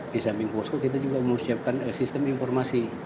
di samping posko kita juga menyiapkan sistem informasi